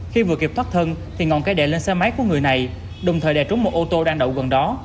khi vừa kịp thoát thân thì ngọn cây đè lên xe máy của người này đồng thời đè trúng một ô tô đang đậu gần đó